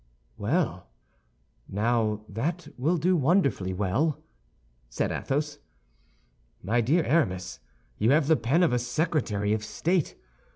"Well, now that will do wonderfully well," said Athos. "My dear Aramis, you have the pen of a secretary of state.